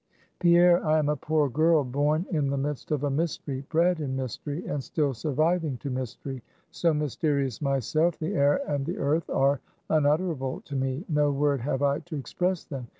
"Pierre, I am a poor girl, born in the midst of a mystery, bred in mystery, and still surviving to mystery. So mysterious myself, the air and the earth are unutterable to me; no word have I to express them.